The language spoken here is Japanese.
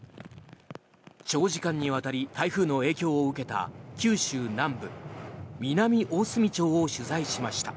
長時間にわたり台風の影響を受けた九州南部、南大隅町を取材しました。